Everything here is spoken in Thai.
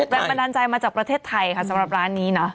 แรงบันดาลใจมาจากประเทศไทยค่ะสำหรับร้านนี้เนอะ